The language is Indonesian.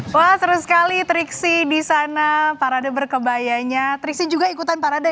wah seru sekali triksi di sana parade berkebayanya triksi juga ikutan parade